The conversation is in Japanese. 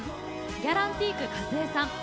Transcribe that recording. ギャランティーク和恵さん